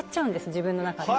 自分の中で。